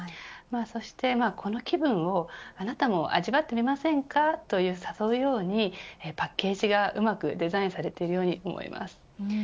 そして、この気分をあなたも味わってみませんかと誘うようにパッケージがうまくデザインされているように思います。